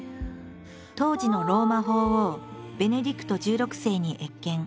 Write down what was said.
当時のローマ法王ベネディクト１６世に謁見。